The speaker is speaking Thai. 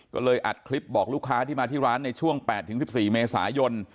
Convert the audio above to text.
ก็เลยอัดคลิปบอกลูกค้าที่มาที่ร้านในช่วง๘๑๔เมษายน